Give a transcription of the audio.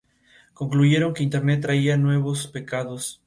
Martin nació en Riverside, California.